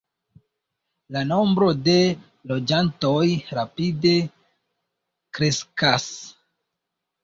La nombro de loĝantoj rapide kreskas.